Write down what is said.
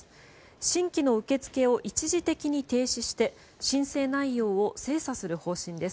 新規の受け付けを一時的に停止して申請内容を精査する方針です。